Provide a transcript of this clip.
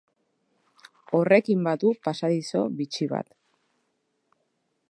Horrekin badu pasadizo bitxi bat.